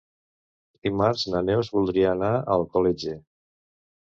Dimarts na Neus voldria anar a Alcoletge.